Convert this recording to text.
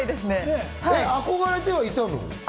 憧れてはいたの？